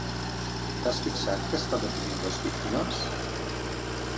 T'has fixat que està definint les víctimes?